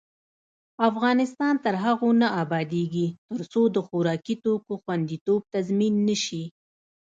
افغانستان تر هغو نه ابادیږي، ترڅو د خوراکي توکو خوندیتوب تضمین نشي.